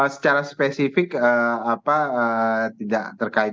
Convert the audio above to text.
secara spesifik tidak terkait